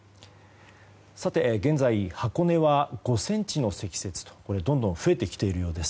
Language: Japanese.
現在、箱根は５ｃｍの積雪ということでどんどん増えてきているようです。